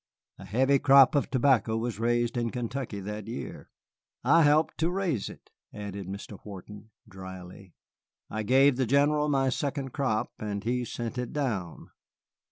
A heavy crop of tobacco was raised in Kentucky that year. I helped to raise it," added Mr. Wharton, dryly. "I gave the General my second crop, and he sent it down.